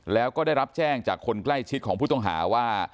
แล้วก็ได้รับแจ้งจากคนใกล้ชิดของผู้ต้องหาว่า